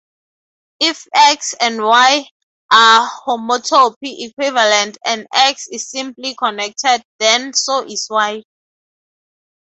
If "X" and "Y" are homotopy-equivalent and "X" is simply-connected, then so is "Y".